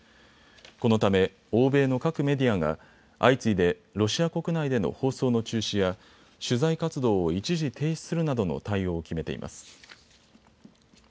このため欧米の各メディアが相次いでロシア国内での放送の中止や取材活動を一時停止するなどの対応を決めています。